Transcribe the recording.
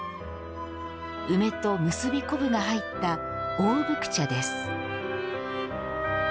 梅と結び昆布が入った大福茶です。